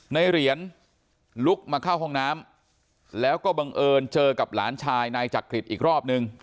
ในเหรียญลุกมาเข้าห้องน้ำแล้วก็บังเอิญเจอกับหลานชายนายจักริตอีกรอบนึง